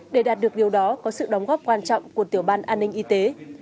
để đạt được điều đó có sự đóng góp quan trọng của tiểu ban an ninh y tế